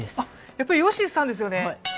やっぱりよっしーさんですよね！